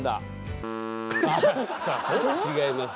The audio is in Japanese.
違います。